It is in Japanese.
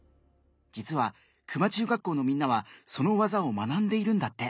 実は球磨中学校のみんなはその技を学んでいるんだって。